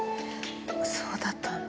そうだったんだ。